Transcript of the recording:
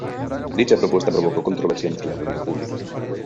Dicha propuesta provocó controversia entre la opinión pública.